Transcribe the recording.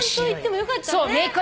よかったね！